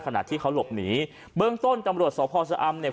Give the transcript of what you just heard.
ขณะที่เขาหลบหนีเบื้องต้นตำรวจสพชะอำเนี่ย